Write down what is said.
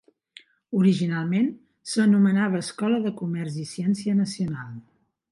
Originalment s'anomenava "Escola de comerç i ciència nacional".